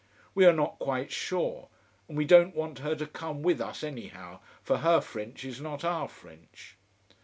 We are not quite sure: and we don't want her to come with us, anyhow, for her French is not our French.